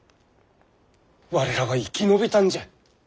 我らは生き延びたんじゃ。